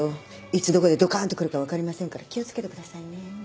いつどこでドカーンとくるか分かりませんから気を付けてくださいね。